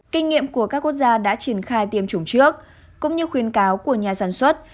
kinh nghiệm của các quốc gia đã triển khai tiêm chủng trước cũng như khuyến cáo của nhà sản xuất